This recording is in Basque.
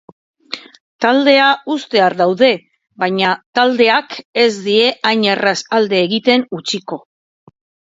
Taldea uztear daude, baina taldeak ez die hain erraz alde egiten utziko.